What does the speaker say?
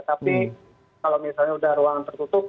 tapi kalau misalnya sudah ruangan tertutup